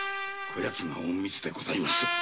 こやつが隠密でございますぞ。